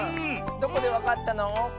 どこでわかったの？